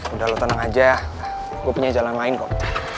udah lo tenang aja gue punya jalan lain kok